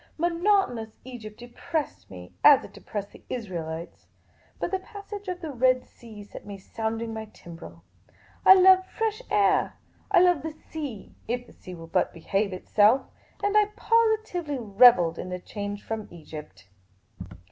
Monotonous Egypt depressed nie, as it depressed the Israelites ; but the passage of the Red Sea set me sounding my timbrel. I love fresh air ; I love the sea, if the sea will but behave itself; and I positively revelled in the change from Egypt.